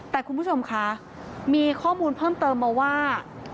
แต่คุณผู้ชมคะมีข้อมูลเพิ่มเติมมาว่า